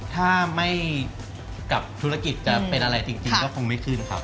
ถ้าไม่กับธุรกิจจะเป็นอะไรจริงก็คงไม่ขึ้นครับ